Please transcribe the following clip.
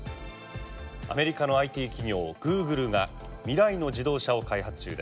アメリカのＩＴ企業グーグルが未来の自動車を開発中です。